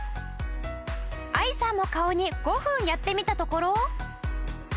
愛さんも顔に５分やってみたところ。